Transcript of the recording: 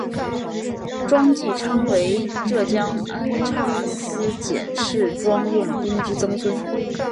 庄际昌为浙江按察司佥事庄用宾之曾孙。